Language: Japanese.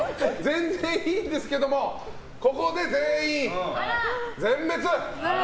全然いいんですけどもここで全員、全滅。